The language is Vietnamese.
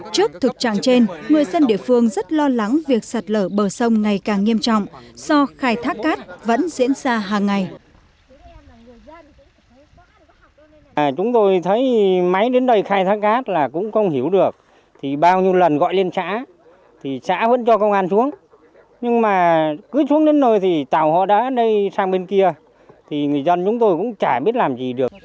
trước thực trạng trên người dân địa phương rất lo lắng việc sạt lở bờ sông ngày càng nghiêm trọng do khai thác cát vẫn diễn ra hàng ngày